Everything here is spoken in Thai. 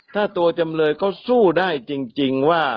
ถ้าตัวจำเลยเขาสู้ได้จริงว่า